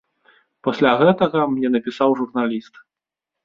Пасля гэтага мне напісаў журналіст.